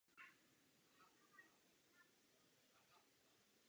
Mezi samcem a samicí nejsou výrazné rozdíly ve vzhledu ani ve velikosti.